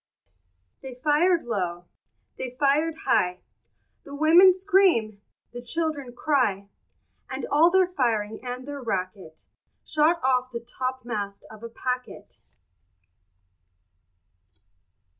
They fired low, they fired high, The women scream, the children cry; And all their firing and their racket Shot off the topmast of a packet.